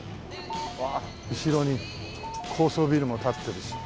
わあ後ろに高層ビルも立ってるし。